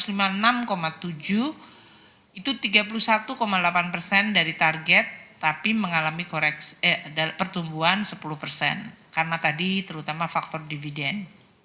dan kita sudah mencapai enam puluh dari target tapi mengalami pertumbuhan sepuluh karena tadi terutama faktor dividen